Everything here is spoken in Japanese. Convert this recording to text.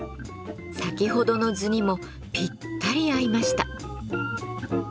先ほどの図にもぴったり合いました。